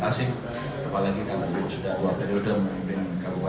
dan juga karena kombinasi kombinasi yang memenuhi tuntutan tuntutan rakyat jawa barat ke depan